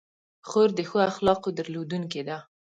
خور د ښو اخلاقو درلودونکې ده.